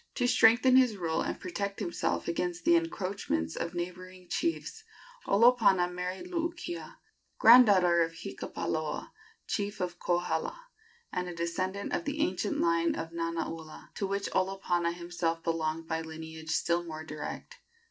To strengthen his rule and protect himself against the encroachments of neighboring chiefs, Olopana married Luukia, granddaughter of Hikapaloa, chief of Kohala, and a descendant of the ancient line of Nanaula, to which Olopana himself belonged by lineage still more direct.